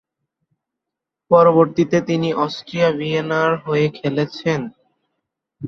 পরবর্তীতে তিনি অস্ট্রিয়া ভিয়েনার হয়ে খেলেছেন।